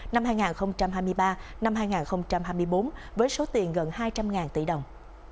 năm hai nghìn hai mươi ba hai nghìn hai mươi bốn với số tiền gần hai trăm linh tỷ đồng